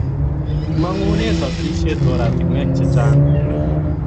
Mangune sasishet oratinwek chechang